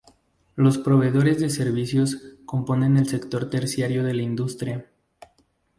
Los proveedores de servicios componen el sector terciario de la industria.